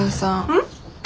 うん？